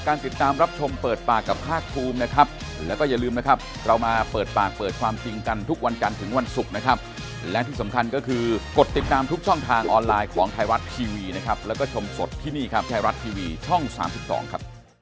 ขอบคุณธนายโรนโรงครับสวัสดีครับสวัสดีครับ